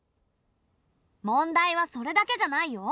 問題はそれだけじゃないよ。